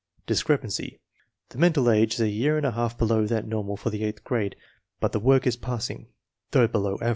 Discrepancy: The mental age is a year and a half below that normal for the eighth grade, but the work is passing (though below average).